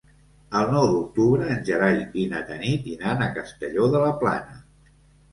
El nou d'octubre en Gerai i na Tanit iran a Castelló de la Plana.